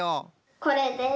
これです。